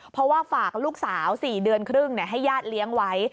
เพราะว่าฝากลูกสาว๔เดือนครึ่งให้ญาติเลี้ยงไว้